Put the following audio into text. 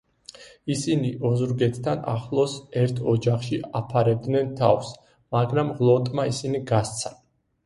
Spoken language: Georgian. ისინი ოზურგეთთან ახლოს ერთ ოჯახში აფარებდნენ თავს, მაგრამ ღლონტმა ისინი გასცა.